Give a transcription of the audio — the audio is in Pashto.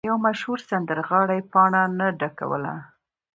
یو مشهور سندرغاړی پاڼه نه ډکوله.